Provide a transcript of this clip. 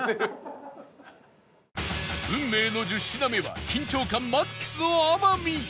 運命の１０品目は緊張感マックスの天海